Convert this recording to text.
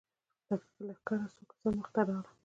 له لښکره څو کسان مخې ته راغلل.